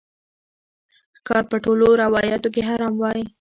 ښکار په ټولو روایاتو کې حرام وای